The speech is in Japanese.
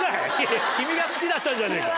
君が好きだったんじゃねえか。